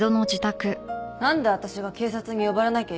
なんで私が警察に呼ばれなきゃいけないの？